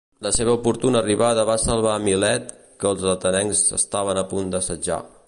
La seva oportuna arribada va salvar Milet que els atenencs estaven a punt d'assetjar.